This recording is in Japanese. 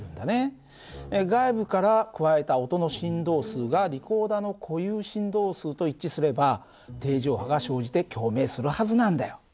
外部から加えた音の振動数がリコーダ−の固有振動数と一致すれば定常波が生じて共鳴するはずなんだよ。